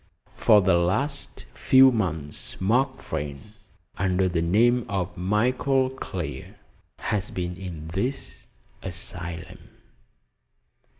For the last few months Mark Vrain, under the name of Michael Clear, has been in this asylum!"